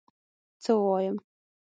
څه ووایم؟!